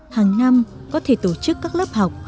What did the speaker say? hàng năm có thể tổ chức các lớp học